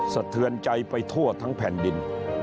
สะเทือนใจไปทั่วทั้งแผ่นดิน